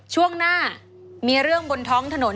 ช่วงหน้ามีเรื่องบนท้องถนน